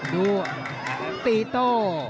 ดูตีโต้